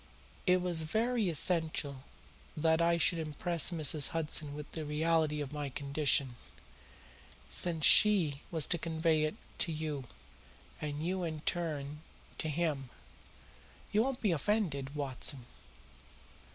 It was very essential that I should impress Mrs. Hudson with the reality of my condition, since she was to convey it to you, and you in turn to him. You won't be offended, Watson?